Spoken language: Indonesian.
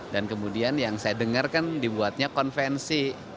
dan kemudian yang saya dengar kan dibuatnya konvensi